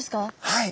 はい。